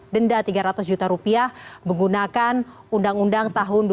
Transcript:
denda tiga ratus juta rupiah menggunakan undang undang tahun dua ribu dua